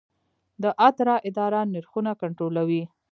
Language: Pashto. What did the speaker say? د اترا اداره نرخونه کنټرولوي؟